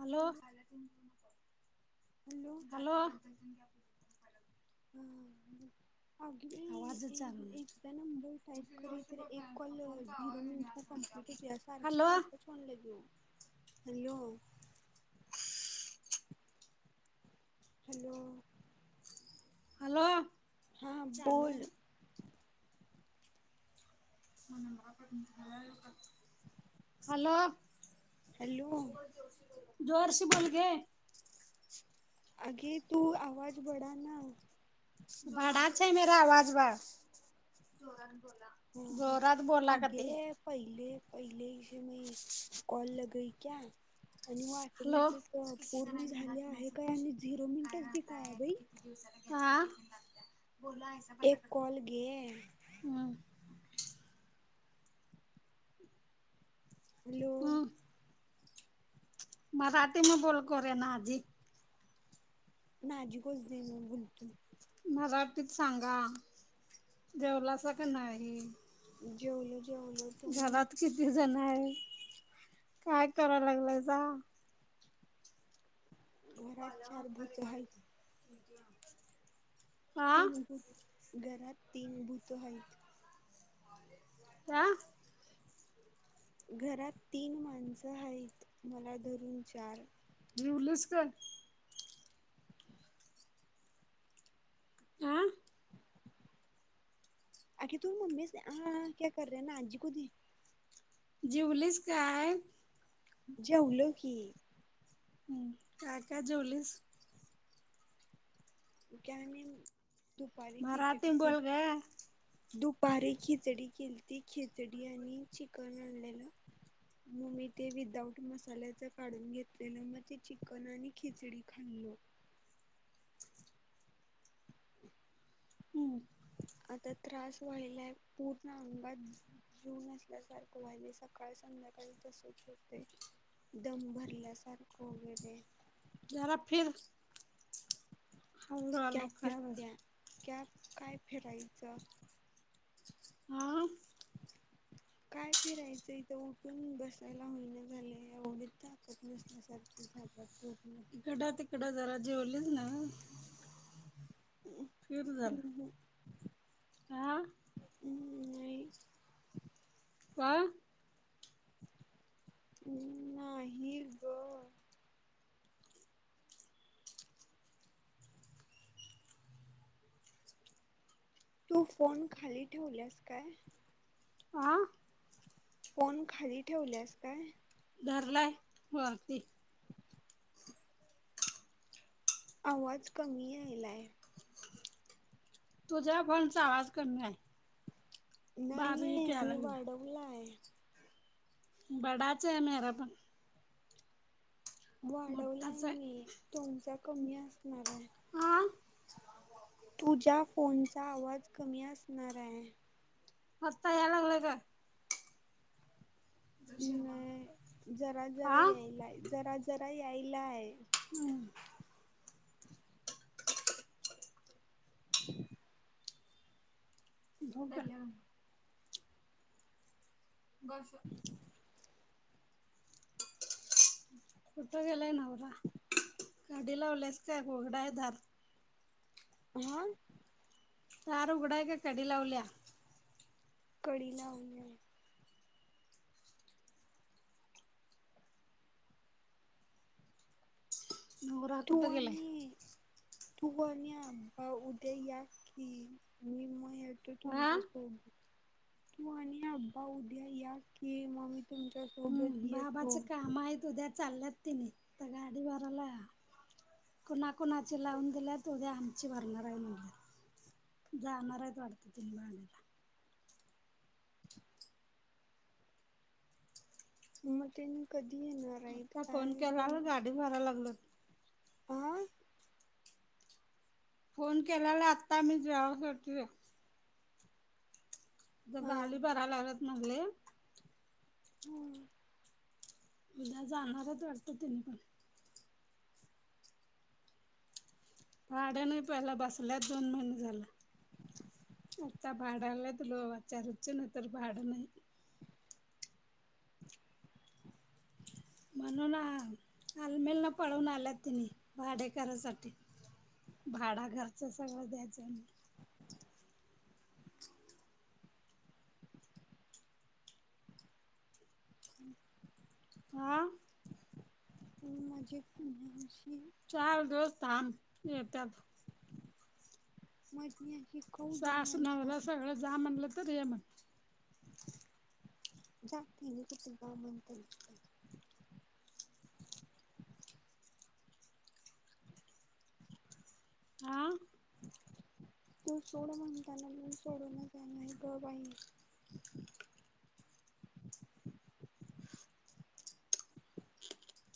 Hello, hello hello. हां आवाजच चालू नाय. टाप करी तर एक कॉल झरो मिनिट कप्लीट हुंतूया सारखी हॅलो [unintelligible] फन ला घेऊ. Hello hello. हॅलो. हा चालू बोल. आहे हॅलो. हॅलो. जोरशे बोल गे. आगे तू आवाज बडा ना. बडाच है मेरा आवाज वा. जोरात बोला. हां हां जोरात बोला का अगे ते. पहिले पहिले इशी मे कॉल लगई क्या? आणि व हॅलो ऑटोमॅटिक पूर्ण झाले आहे काय आणि झिरो काय मिनटच दिखाया राहताय बाई. किती दिवसाला हा बोला ऐसा पता एक कॉल करो गे. हम्म. हॅलो. हम्म मराठी म बोल करोया नाजी. नाजिकोच दे मे बुलतू. मराठीत सांगा, जेवलासा का नाही? जेवलो. जेवलो तुम्ही घरात किती जण हाय? काय कराय लागलायसा? घरात चार भूत हायत. [inaudible] आ तीन भूत घरात तीन भूत हायत. क्या? घरात तीन माणसं हायत मला धरून चार. जीवलस का? आ? आगे तू मम्मी से आ आ क्या कर रहे ना आजी को दे. जिवलीस काय? जेवलो की काय- काय जेवलीस? जञणी [unintelligible] मराठी म बोल ग. दुपारी खिचडी केलती, खिचडी आणि चिकन आणलेल मग मी ते विदाऊट मसाल्याचं काढून घेतलेलं मग ते चिकन आणि खिचडी खाल्लो. आता त्रास व्हायलाय पूर्ण अंगात जीव नसल्यासारखं व्हायलय, सकाळ संध्याकाळी तसच होतय. दम भरल्यासारखं वगैरे जरा फिर हळू कॅ हळू काय फिरत्या कॅ काय फिरायचं? हा ह [unintelligible] काय फिरायचं इथं उठून बसायला होईना झालय एवढी ताकत नसल्यासारखं [unintelligible] तिकड तिकडं जरा जेवलीस न जरा हा नाही वा [inaudible] नाही ग तू फोन खाली ठेवल्यास काय? आ? फोन खाली ठेवल्यास काय? धरलाय वरती [inaudible] आवाज कमी यायलाय. तुझ्या फोनचा आवाज कमी आहे, बारीक याय लागलाय. वलाय [unintelligible] बडाच मरा पण [unintelligible] वाढवलाय मोठाच आहे. मी तुमचा कमी असणार आहे. हा तुझ्या फोनचा आवाज कमी असणार आहे. आता यालागलाय गं नाही जरा जरा हा यायलाय, जरा जरा यायला आहे. हम्म. ह [inaudible] झोप बस कुठं गेलाय नवरा? गाडी लावल्यास का उघड आहे दार हां दार उघडा आहे का कडी लावलीया? कडी लावलीया. नवरा कुठ तू गेला? आणि तू पण या बा उद्या या कि मी म हा ुम तू आणि अबा उद्या या कि म तुमच्या सोबत येतो. त उद्या चालल्यात तिने तर गाडी भरायला कुणाकुणाचे लावून दिल्यात उद्या आमची भरणार आहे म्हणले. जाणारच वाटत त [unintelligible] मग तेन कधी येणार आहेत आता फोन काय केला गाडी भरायला लागल. प फोन केल्याला आत्ता मी तेवहा [unintelligible] आत हा गाली भरायला लागत मगले. हो उ्या जाणारच वाटत तुम्ही. भाड्या नाही पहिला बसल्यात दोन महिने झाले. आता भाड्यालात लो आचारचच ना तर भाड नाही. म्हणून आलमेलना पळवून आल्या तिने भाडे करा साठी. भाडा घरच सगळ द्यायचं आहे म हम्म आा म्हणजे पुन्हाशी चार दिवस थांब येतात. मग शिकऊ सास जनवायच नवरा सगळं जा म्हणलं तर ये म्हण जागतीने कुटुंबामंत्र हा तो सोड म्हणताना म्हण सोडून जाला हे ग बा आहे.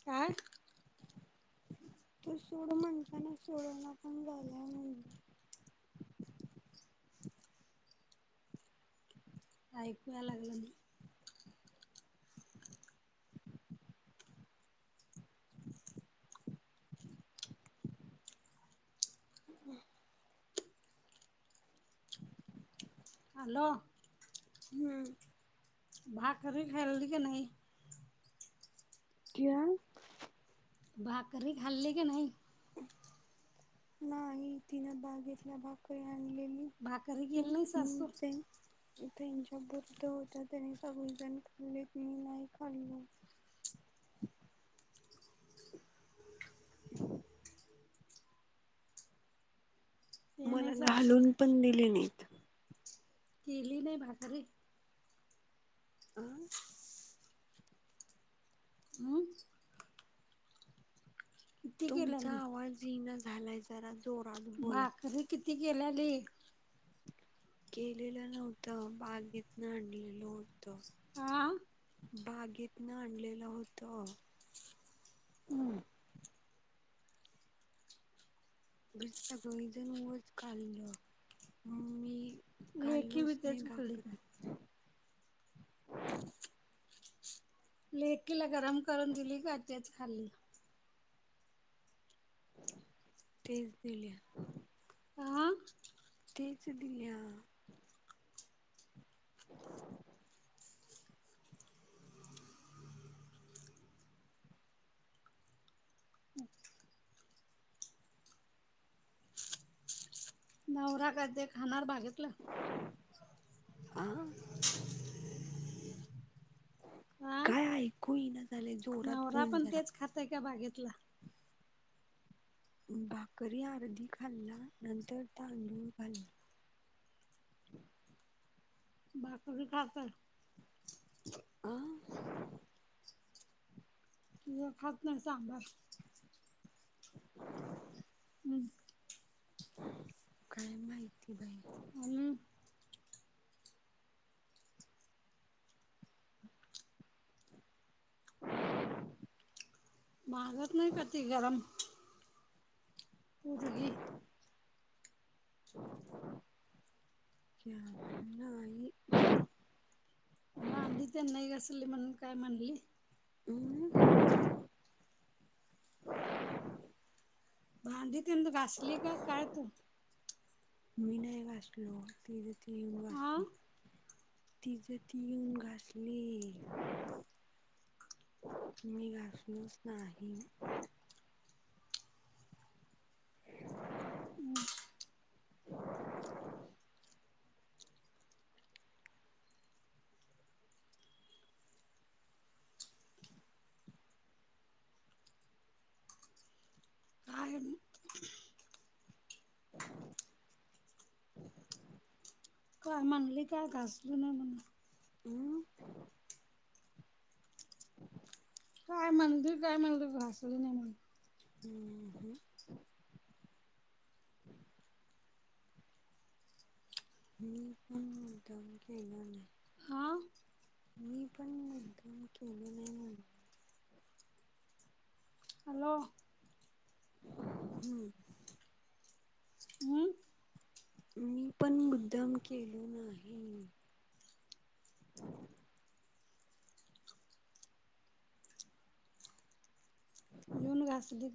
काय? तू सोड म्हणताना सोड नाकाम झाला म्हण राऐकुय लागल नाही हॅलो. हम्म भाकरी खाल्ली का नाही. क्या? भाकरी खाल्ली की नाही. नाही तिन बागेतल्या भाकरी आणलेली. भाकरी केली नाही सासू. इथ यांच्या बुद्ध होत्या त्याने सगळेजण खाल्ले मी नाही खाल्लीं. ते मला नाही सासू घालून भाक पण दिले नाही. केली नाही भाकरी. अ हम्म किती तुमचा केलेली आवाज येईना झालाय जरा जोरात. बोला भाकरी किती केल्याली. केलेल नव्हत बागेतन आणलेल होत. आ बागेतन आणलेल होत. हम्म खर सगळीजण उच खाल्ल मी लेखी बी खाल्लोच नाही तेच खाल्ली का भाकरी. लेकीला गरम करून दिली का काय तेच खाल्ल. तेच दिल्या. हा. तेच दिल्या. नवरा काय ते खाणार बागेतलं. आ. [unintelligible] हा काय ऐकू येईना झालंय जोरात बोल जरा. इथ आहे का बागेतला. भाकरी अर्धी खाल्ल्या. नंतर तांदूळ खाल्ला. भाकरी खात आहे. आ. मी खात नाही सांबार. [unintelligible] हम्म. काय माहिती बाई. हम्म. [unintelligible] मागत नाही का ती गरम. [unintelligible] चहा नाही. भांडी त्यान नाही घासली म्हणून काय म्हणली. [unintelligible] भांडी तेन घासली का काय तू? मी नाही घासलो. तिझ ती येऊन हा घासली. तिझं ती येऊन घासली. मी घासलोच नाही. हम्म. [unintelligible] काय आणि? [unintelligible] काही म्हणली काय घासू नये म्हणून. हम्. काय म्हणली काय म्हणली घासली नाही म्हणून. हम हम. ह [unintelligible] मी पण मुद्दाम केलेलो नाही. हा मी पण मुद्दाम केले नाही म्हणल. हॅलो. हम. हम्म. मी पण मुद्दाम केलो नाही. येऊन घासलीत.